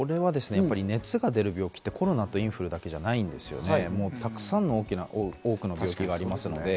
熱が出る病気って、コロナとインフルだけじゃないんです、たくさんの多くの病気がありますので。